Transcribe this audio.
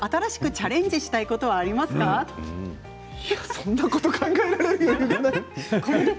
そんなこと考えられる余裕がない。